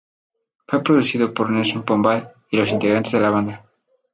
Fue producido por Nelson Pombal y los integrantes de la banda.